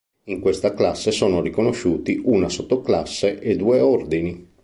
In questa classe sono riconosciuti una sottoclasse e due ordini.